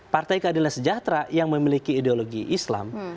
partai keadilan sejahtera yang memiliki ideologi islam